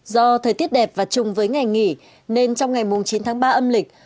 do thời tiết đẹp và chung với ngày nghỉ nên trong ngày chín tháng ba âm lịch